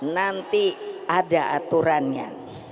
nanti ada aturannya